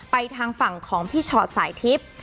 ไปทางฝั่งของพี่เฉาะสายทิพย์